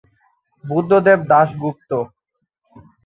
Buddhadeb Dasgupta